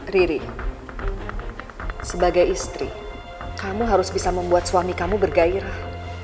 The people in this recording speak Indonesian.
riri sebagai istri kamu harus bisa membuat suami kamu bergairah